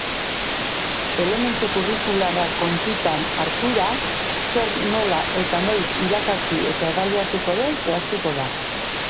Elementu kurrikularrak kontutan hartura, zer, nola eta noiz irakatsi eta ebaluatuko den zehaztuko da.